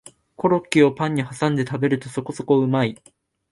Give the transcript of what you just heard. コロッケをパンにはさんで食べるとそこそこうまい